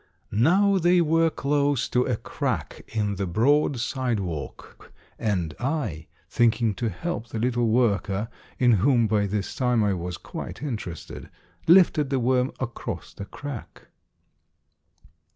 Now they were close to a crack in the broad sidewalk, and I, thinking to help the little worker, in whom by this time I was quite interested, lifted the worm across the crack.